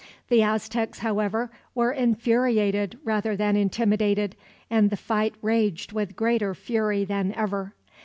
The Aztecs, however, were infuriated rather than intimidated; and the fight raged with greater fury than ever.